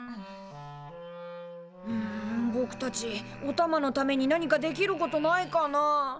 んぼくたちおたまのためになにかできることないかなあ？